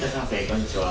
こんにちは。